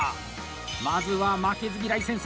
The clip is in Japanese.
まずは「負けず嫌い先生」